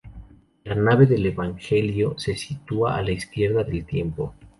La Nave del Evangelio se sitúa a la izquierda del templo.